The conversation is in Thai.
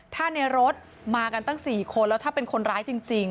ถ้าในรถมากันตั้ง๔คนแล้วถ้าเป็นคนร้ายจริง